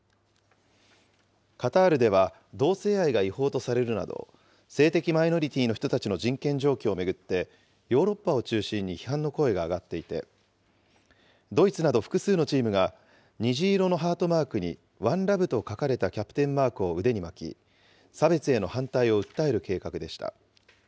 カタールでは同性愛が違法とされるなど、性的マイノリティーの人たちの人権状況を巡って、ヨーロッパを中心に批判の声が上がっていて、ドイツなど複数のチームが、虹色のハートマークにＯＮＥＬＯＶＥと書かれたキャプテンマークを腕に巻き、差別への反対を訴える計画でした。